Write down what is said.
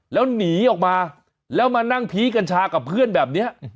แล้วหนีออกมาแล้วมานั่งพีคกัญชากับเพื่อนแบบนี้